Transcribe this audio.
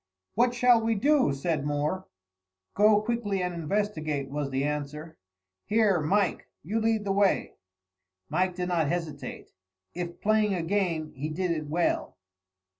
"What shall we do?" said Moore. "Go quickly and investigate," was the answer. "Here, Mike, you lead the way." Mike did not hesitate. If playing a game, he did it well.